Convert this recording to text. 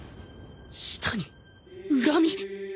舌に「恨み」！？